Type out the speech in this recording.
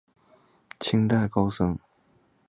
清代高僧。